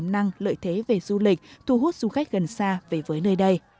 năng lợi thế về du lịch thu hút du khách gần xa về với nơi đây